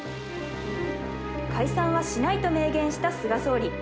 解散はしないと明言した菅総理。